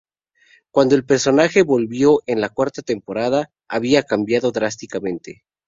Cuando el personaje volvió en la cuarta temporada, había cambiado drásticamente.